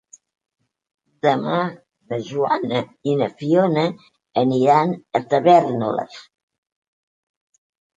Demà na Joana i na Fiona aniran a Tavèrnoles.